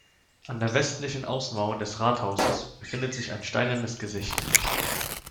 An der westlichen Außenmauer des Rathauses befindet sich ein steinernes Gesicht.